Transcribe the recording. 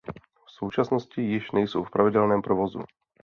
V současnosti již nejsou v pravidelném provozu.